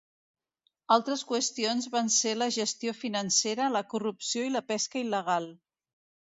Altres qüestions van ser la gestió financera, la corrupció i la pesca il·legal.